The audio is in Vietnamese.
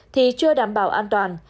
thì chưa đảm bảo an toàn